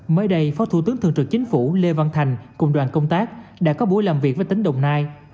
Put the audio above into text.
mới đây phó thủ tướng thường trực chính phủ lê văn thành cùng đoàn công tác đã có buổi làm việc với tỉnh đồng nai